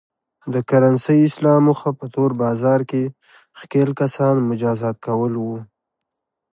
د کرنسۍ اصلاح موخه په تور بازار کې ښکېل کسان مجازات کول و.